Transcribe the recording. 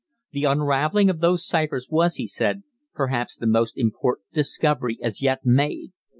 The unravelling of those cyphers was, he said, perhaps the most important discovery as yet made.